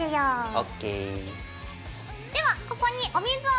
ＯＫ。